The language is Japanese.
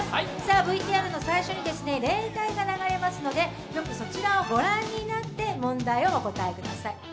ＶＴＲの最初に例題が流れますのでよくそちらを御覧になって問題をお答えください。